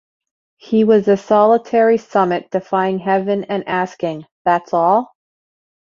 He was a solitary summit defying heaven and asking: That's all?